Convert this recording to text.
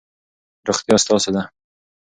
روغتیا ستاسو ده.